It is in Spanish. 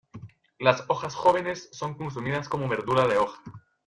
Las hojas jóvenes son consumidas como verdura de hoja.